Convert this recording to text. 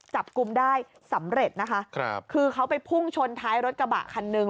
จับกลุ่มได้สำเร็จนะคะครับคือเขาไปพุ่งชนท้ายรถกระบะคันหนึ่ง